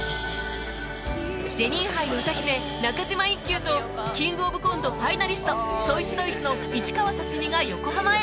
ジェニーハイの歌姫中嶋イッキュウとキングオブコントファイナリストそいつどいつの市川刺身が横浜へ